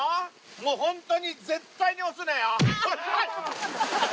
もう本当に絶対に押すなよ。